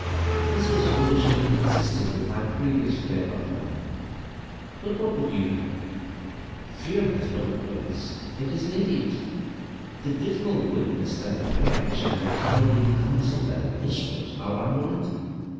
This was foolish and inconsistent with my previous dread of the light, but what would you have? Fear has no brains; it is an idiot. The dismal witness that it bears and the cowardly counsel that it whispers are unrelated.